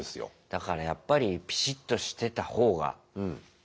だからやっぱりピシッとしてた方がいいよね絶対。